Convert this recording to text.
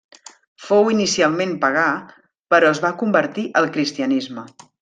Fou inicialment pagà però es va convertir al cristianisme.